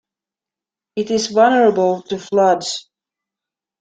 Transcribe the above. It is vulnerable to floods.